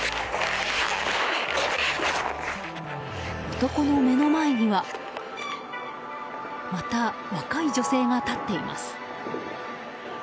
男の目の前にはまた若い女性が立っています。